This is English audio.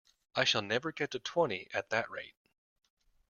I shall never get to twenty at that rate!